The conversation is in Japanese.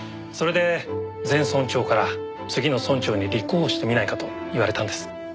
それで前村長から次の村長に立候補してみないかと言われたんです。